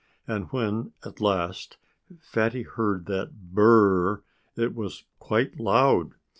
And when at last Fatty heard that br r r r it was quite loud.